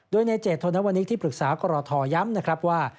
ด้วยในเจทธนวณีที่ปรึกษากตรย้ำนะครับว่า